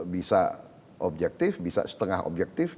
bisa objektif bisa setengah objektif